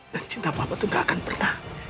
dan cinta papa itu gak akan pernah